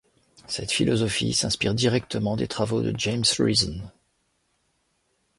Cette philosophie s'inspire directement des travaux de James Reason.